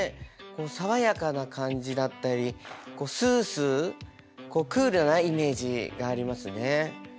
爽かな感じだったりスースークールなイメージがありますね。